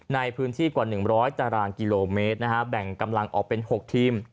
ในพื้นที่กว่า๑๐๐ตารางกิโลเมตรแบ่งกำลังออกเป็น๖ทีม